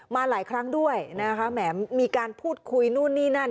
มาหลายครั้งด้วยนะคะแหมมีการพูดคุยนู่นนี่นั่น